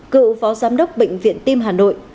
cựu phó giám đốc bệnh viện tim hà nội